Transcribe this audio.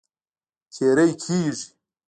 تېری کیږي.